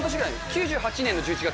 ９８年の１１月。